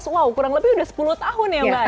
wow kurang lebih sudah sepuluh tahun ya mbak ya